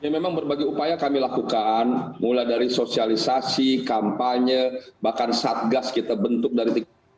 memang berbagai upaya kami lakukan mulai dari sosialisasi kampanye bahkan satgas kita bentuk dari tiga